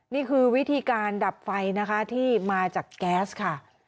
นี่คือวิธีการดับไฟนะคะที่มาจากแก๊สค่ะ